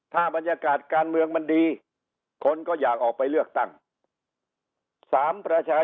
ถ้าบรรยากาศการเมืองมันดีคนก็อยากออกไปเลือกตั้งสามประชา